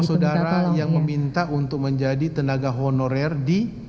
saudara yang meminta untuk menjadi tenaga honorer di